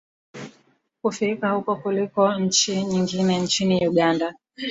kufiika huko kuliko nchi nyingine Nchini Uganda